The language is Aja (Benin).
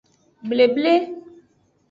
Bleble.